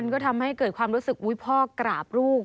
ก็ทำให้เกิดความรู้สึกอุ๊ยพ่อกราบลูก